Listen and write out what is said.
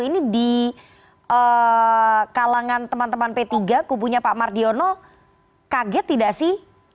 ini di kalangan teman teman p tiga kubunya pak mardiono kaget tidak sih